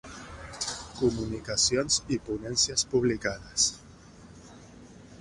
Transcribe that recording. Comunicacions i ponències publicades.